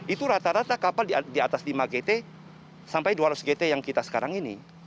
itu rata rata kapal di atas lima gt sampai dua ratus gt yang kita sekarang ini